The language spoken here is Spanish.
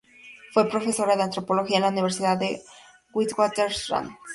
Fue profesora de antropología en la Universidad del Witwatersrand.